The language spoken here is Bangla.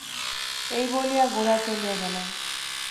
এই বলিয়া গোরা চলিয়া গেল।